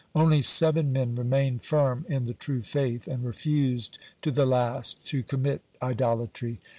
Only seven men remained firm in the true faith, and refused to the last to commit idolatry.